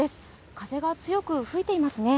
風が強く吹いていますね。